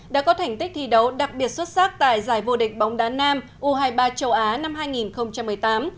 đã có thành tích thi đấu đặc biệt xuất sắc tại giải vô địch bóng đá nam u hai mươi ba châu á năm hai nghìn một mươi tám